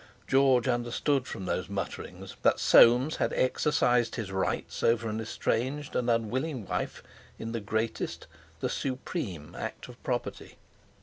George understood from those mutterings that Soames had exercised his rights over an estranged and unwilling wife in the greatest—the supreme act of property.